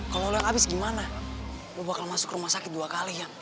kalo lo yang abis gimana lo bakal masuk rumah sakit dua kali nian